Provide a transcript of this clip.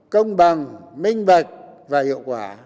công bằng minh bạch và hiệu quả